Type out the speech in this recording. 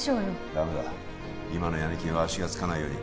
ダメだ今のヤミ金は足がつかないように